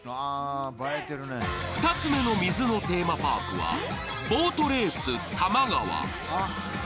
２つ目の水のテーマパークはボートレース多摩川。